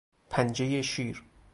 پنجهی شیر